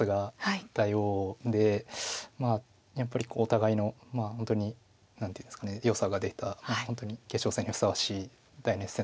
やっぱりお互いの何ていうんですかよさが出た本当に決勝戦にふさわしい大熱戦だったと思います。